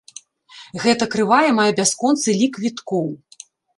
Гэта крывая мае бясконцы лік віткоў.